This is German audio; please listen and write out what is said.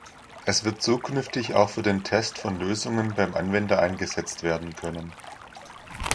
Es wird zukünftig auch für den Test von Lösungen beim Anwender eingesetzt werden können.